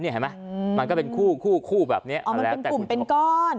เห็นไหมมันก็เป็นคู่คู่แบบนี้ออกมาเป็นกลุ่มเป็นก้อน